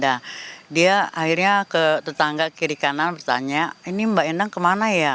nah dia akhirnya ke tetangga kiri kanan bertanya ini mbak endang kemana ya